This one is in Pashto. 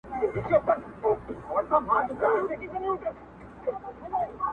دا خو د هیواد مشهور سندرغاړی احمد ظاهر دی